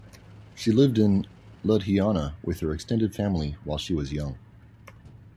She lived in Ludhiana with her extended family while she was young.